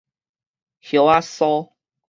葉仔酥